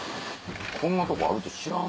こんなとこあるって知らん。